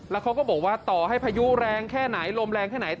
แล้วเขาก็บอกว่าต่อให้พายุแรงแค่ไหนลมแรงแค่ไหน